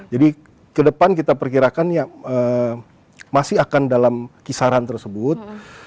jadi kedepan kita perkirakan ya masih akan dalam kisaran tersebut